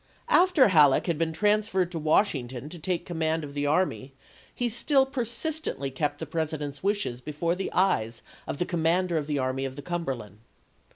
After Halleck had been transferred to Washington to take command of the army, he still persistently kept the President's wishes before the eyes of the commander of the Army of the Cumberland.